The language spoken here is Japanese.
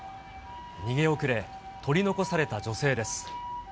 逃げ遅れ、取り残された女性です。